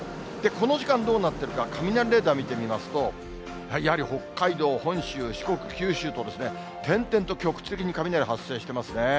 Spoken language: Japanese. この時間どうなっているか、雷レーダー見てみますと、やはり北海道、本州、四国、九州と、点々と局地的に雷発生していますね。